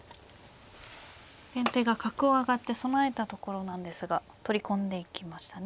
先手が角を上がって備えたところなんですが取り込んでいきましたね。